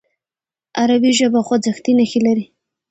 عربي ژبه خوځښتي نښې لري.